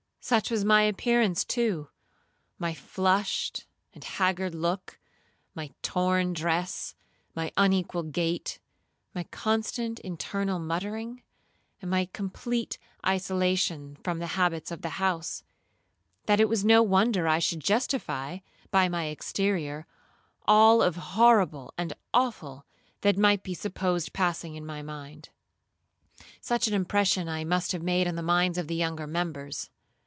Such was my appearance, too, my flushed and haggard look, my torn dress, my unequal gait, my constant internal muttering, and my complete isolation from the habits of the house, that it was no wonder I should justify, by my exterior, all of horrible and awful that might be supposed passing in my mind. Such an impression I must have made on the minds of the younger members.